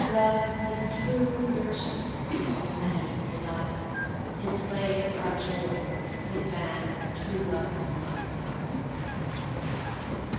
Love is true virtue, and his end's delight His flames are joys, his bands true lovers' might.